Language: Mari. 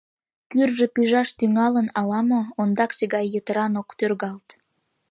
Кӱржӧ пижаш тӱҥалын ала-мо, ондаксе гай йытыран ок тӧргалт.